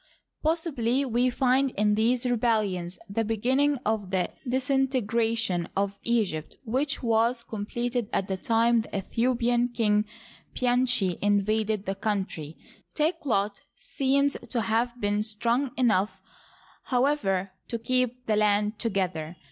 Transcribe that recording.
Possibly we find in these rebellions the beginning of the disintegration of Egypt which was com pleted at the time the Aethiopian king Pianchi invaded the country. Takelot seems to have been strong enough, however, to keep the land together.